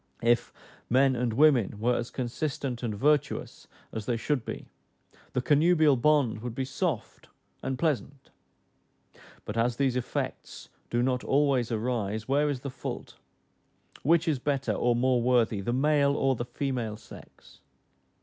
If men and women were as consistent and virtuous as they should be, the connubial bond would be soft and pleasant; but as these effects do not always arise, where is the fault? Which is better, or more worthy, the male or the female sex?